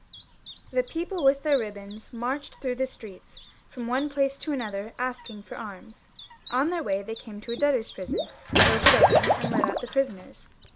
The people with their ribbons marched through the streets from one place to another asking for arms. On their way they came to a debtors' prison, broke it open, 384 LOUIS XVL [CH. and let out the prisoners.